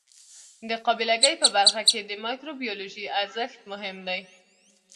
د قابله ګۍ په برخه کې د مایکروبیولوژي ارزښت مهم دی.